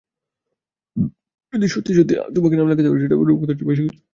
যদি সত্যি সত্যি অলিম্পিকে নাম লেখাতে পারেন, সেটা হবে রূপকথার চেয়েও বেশি কিছু।